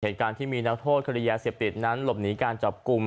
เหตุการณ์ที่มีนักโทษคดียาเสพติดนั้นหลบหนีการจับกลุ่ม